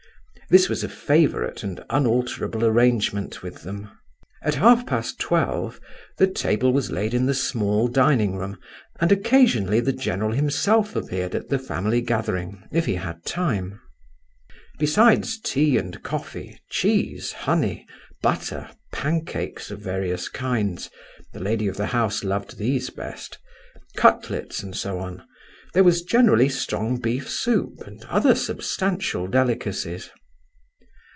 This was a favourite and unalterable arrangement with them. At half past twelve, the table was laid in the small dining room, and occasionally the general himself appeared at the family gathering, if he had time. Besides tea and coffee, cheese, honey, butter, pan cakes of various kinds (the lady of the house loved these best), cutlets, and so on, there was generally strong beef soup, and other substantial delicacies.